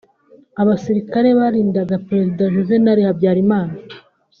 Abasirikare barindaga Perezida Juvenal Habyarimana